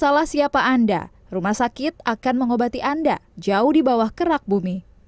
salah siapa anda rumah sakit akan mengobati anda jauh di bawah kerak bumi